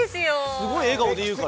すごい笑顔で言うから。